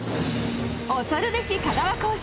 恐るべし香川高専！